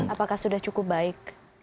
apakah sudah cukup baik